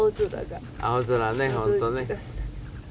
青空ね、本当ね。